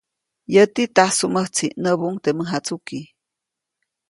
Yäti, tajsuʼmäjtsi, nyäbuʼuŋ teʼ mäjatsuki.